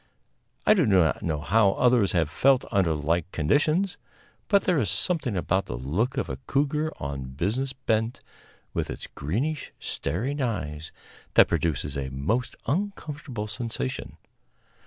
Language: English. I do not know how others have felt under like conditions; but there is something about the look of a cougar on business bent, with its greenish, staring eyes, that produces a most uncomfortable sensation.